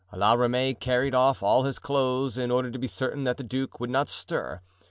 La Ramee carried off all his clothes, in order to be certain that the duke would not stir.